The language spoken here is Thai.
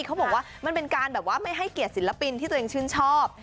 เขาบอกว่ามันเป็นการแบบว่าไม่ให้เกียรติศิลปินที่ตัวเองชื่นชอบ